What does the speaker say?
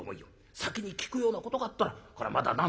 先に聞くようなことがあったらこれはまだなんとかなる。